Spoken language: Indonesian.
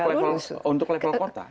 kalau untuk level kota